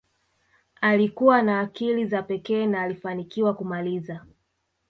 alikuwa na akili za pekee na alifanikiwa kumaliza